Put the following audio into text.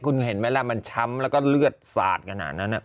คุณเห็นไหมล่ะมันช้ำแล้วก็เลือดสาดขนาดนั้น